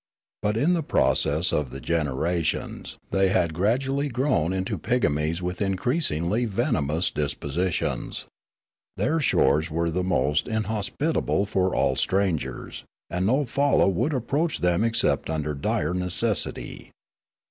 But in the process of the generations they had gradually grown into pigmies with increasingly venomous dispositions. Their shores were the most inhospitable for all strangers, and no falla would approach them except under dire necessity.